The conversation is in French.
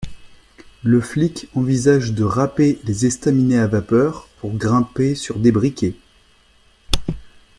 Le flic envisage de raper les estaminets à vapeur pour grimper sur des briquets.